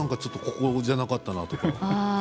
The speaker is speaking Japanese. ここじゃなかったなって。